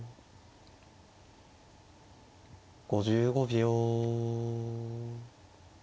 ５５秒。